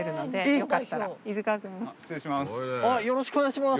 よろしくお願いします。